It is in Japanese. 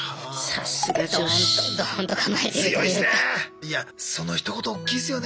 いやそのひと言おっきいですよね。